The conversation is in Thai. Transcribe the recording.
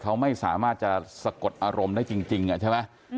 เขาไม่สามารถจะสะกดอารมณ์ได้จริงใช่ไหม